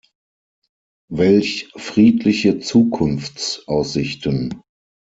Welch friedliche Zukunftsaussichten!